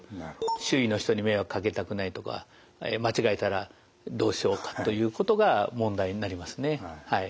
「周囲の人に迷惑かけたくない」とか「間違えたらどうしようか」ということが問題になりますねはい。